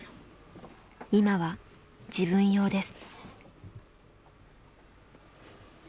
今は自分用です。